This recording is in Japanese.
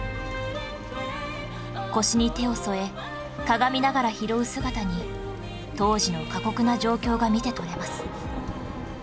腰に手を添えかがみながら拾う姿に当時の過酷な状況が見てとれます